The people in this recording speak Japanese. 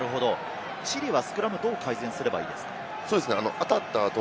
チリはスクラムをどう改善すればいいですか？